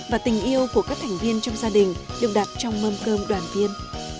và tình yêu của các thành viên trong gia đình được đặt trong mâm cơm đoàn viên